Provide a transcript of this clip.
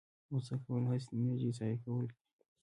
غوسه کول هسې د انرژۍ ضایع کول دي.